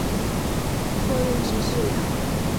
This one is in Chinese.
括认知治疗。